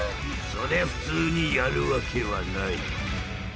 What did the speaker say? そりゃ普通にやるわけはない］